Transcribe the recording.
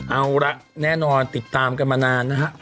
เอาละแน่นอนติดตามกันมานานนะฮะ